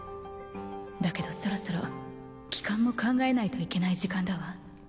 だけどそろそろ帰還も考えないといけない時間だわ。